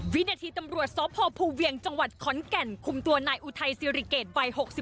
วินาทีตำรวจสพภูเวียงจังหวัดขอนแก่นคุมตัวนายอุทัยสิริเกตวัย๖๒